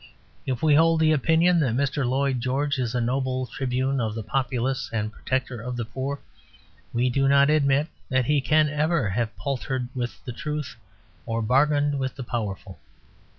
If we hold the opinion that Mr. Lloyd George is a noble tribune of the populace and protector of the poor, we do not admit that he can ever have paltered with the truth or bargained with the powerful.